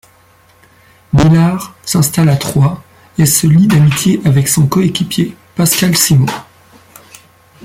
Millar s'installe à Troyes et se lie d'amitié avec son coéquipier Pascal Simon.